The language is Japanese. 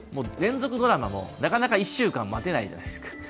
連続ドラマもなかなか１週間待てないじゃないですか。